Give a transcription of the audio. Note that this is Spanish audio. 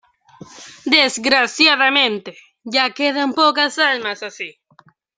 desgraciadamente, ya quedan pocas almas así.